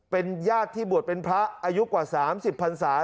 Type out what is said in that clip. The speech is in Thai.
เป็นญาติที่บวชเป็นพระอายุกว่า๓๐พันศา